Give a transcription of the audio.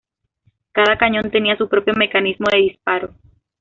Cada cañón tenía su propio mecanismo de disparo.